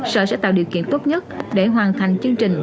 sở sẽ tạo điều kiện tốt nhất để hoàn thành chương trình